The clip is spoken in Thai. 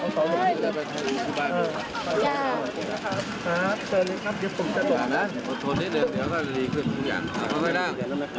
จ้าจ้าจ้านุ่มไม่ฝัน